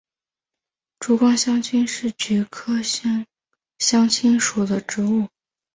珠光香青是菊科香青属的植物。